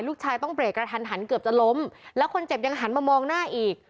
ลูกชายต้องเรกกระทันหันเกือบจะล้มแล้วคนเจ็บยังหันมามองหน้าอีก